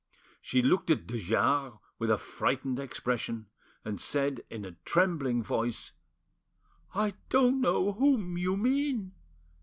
She looked at de Jars with a frightened expression, and said in a trembling voice— "I don't know whom you mean."